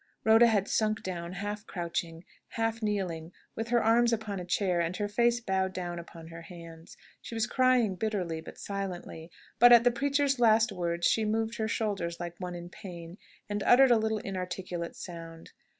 Rhoda had sunk down, half crouching, half kneeling, with her arms upon a chair, and her face bowed down upon her hands. She was crying bitterly, but silently; but, at the preacher's last words, she moved her shoulders, like one in pain, and uttered a little inarticulate sound.